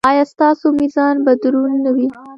ایا ستاسو میزان به دروند نه وي؟